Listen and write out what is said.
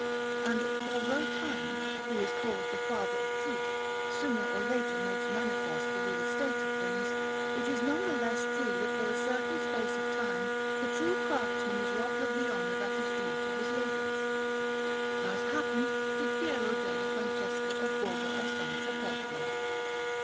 And although time, who is called the father of truth, sooner or later makes manifest the real state of things, it is none the less true that for a certain space of time the true craftsman is robbed of the honour that is due to his labours; as happened to Piero della Francesca of Borgo a San Sepolcro.